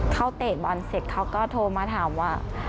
เขาเตะบอลเสร็จเขาก็โทรมาถามว่า